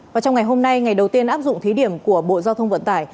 và trong ngày hôm nay ngày đầu tiên áp dụng thí điểm của bộ giao thông vận tải